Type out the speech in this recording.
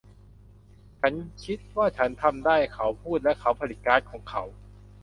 ฉันคิดว่าฉันทำได้เขาพูดและเขาผลิตการ์ดของเขา